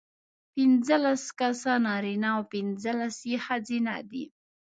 پینځلس کسه نارینه او پینځلس یې ښځینه دي.